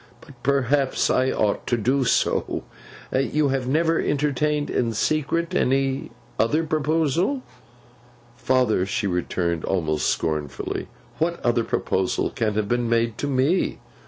But perhaps I ought to do so. You have never entertained in secret any other proposal?' 'Father,' she returned, almost scornfully, 'what other proposal can have been made to me?